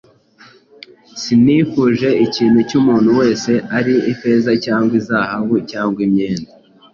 Sinifuje ikintu cy’umuntu wese, ari ifeza cyangwa izahabu cyangwa imyenda.